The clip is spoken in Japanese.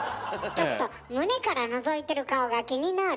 ちょっと胸からのぞいてる顔が気になる！